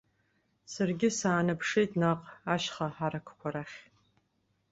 Саргьы саанаԥшит наҟ, ашьха ҳаракқәа рахь.